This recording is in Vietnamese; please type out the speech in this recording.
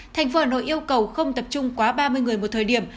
thành phố hà nội yêu cầu không tập trung quá ba mươi người một thời điểm